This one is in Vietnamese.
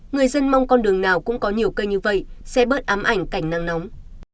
người dân mong con đường nào cũng có nhiều cây như vậy sẽ bớt ám ảnh cảnh nắng nóng